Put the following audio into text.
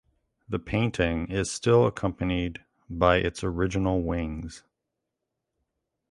The painting is still accompanied by its original wings.